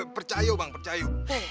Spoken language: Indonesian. percaya bang percaya